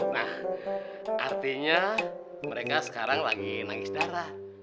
nah artinya mereka sekarang lagi nangis darah